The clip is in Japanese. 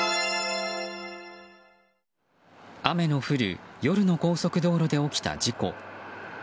雨の降る夜の高速道路で起きた事故。